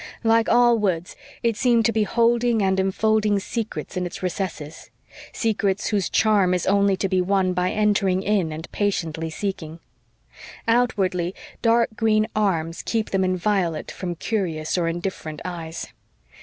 Like all woods, it seemed to be holding and enfolding secrets in its recesses, secrets whose charm is only to be won by entering in and patiently seeking. Outwardly, dark green arms keep them inviolate from curious or indifferent eyes.